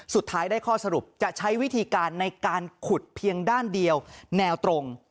สุดท้ายได้ข้อสรุปจะใช้วิธีการในการขุดเพียงด้านเดียวแนวตรง